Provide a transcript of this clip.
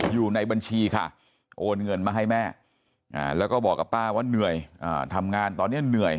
อยู่ในบัญชีค่ะโอนเงินมาให้แม่แล้วก็บอกกับป้าว่าเหนื่อยทำงานตอนนี้เหนื่อย